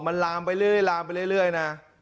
มันล้ามไปเรื่อยนะ